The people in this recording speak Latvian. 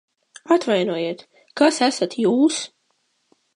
Atvainojiet, kas esat jūs?